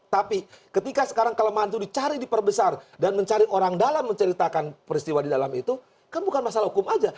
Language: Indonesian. tapi ketika sekarang kelemahan itu dicari diperbesar dan mencari orang dalam menceritakan peristiwa di dalam itu kan bukan masalah hukum aja